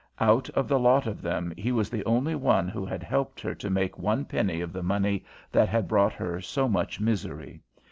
Out of the lot of them, he was the only one who had helped her to make one penny of the money that had brought her so much misery.